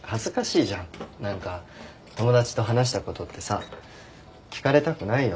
何か友達と話したことってさ聞かれたくないよ